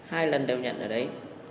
hai lần đều nhận ở đấy